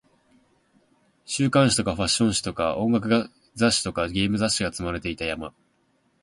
週刊誌とかファッション誌とか音楽雑誌とかゲーム雑誌が積まれていた山